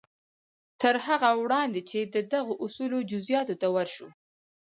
تر هغه وړاندې چې د دغو اصولو جزياتو ته ورشو.